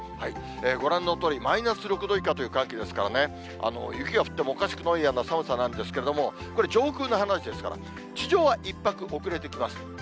ご覧のとおり、マイナス６度以下という寒気ですからね、雪が降ってもおかしくないような寒さなんですけれども、これ、上空の話ですから、地上は一拍遅れてきます。